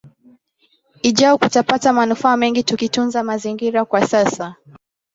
ijao kutapata manufaa mengi tukitunza mazingira kwa sasa